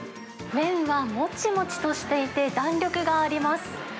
麺はもちもちとしていて、弾力があります。